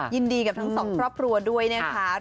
ยินดีกับทั้งสองครอบครัวด้วยนะคะ